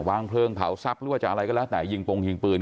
วางเพลิงเผาทรัพย์หรือว่าจะอะไรก็แล้วแต่ยิงโปรงยิงปืน